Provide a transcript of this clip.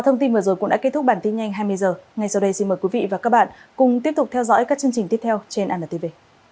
thông tin vừa rồi cũng đã kết thúc bản tin nhanh hai mươi h ngay sau đây xin mời quý vị và các bạn cùng tiếp tục theo dõi các chương trình tiếp theo trên anntv